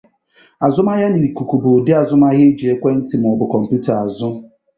Azụmahịa n'ikuku bụ ụdị azụmahịa eji ekwe ntị maọbụ komputa azụ.